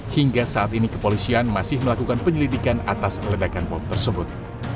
hingga saat ini kepolisian masih melakukan penyelidikan atas ledakan bom tersebut